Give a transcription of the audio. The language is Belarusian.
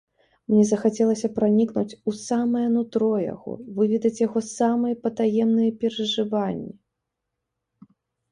Мне захацелася пранікнуць у самае нутро яго, выведаць яго самыя патаемныя перажыванні.